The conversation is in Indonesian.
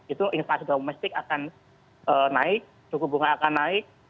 itu infasi domestik akan naik cukup bunga akan naik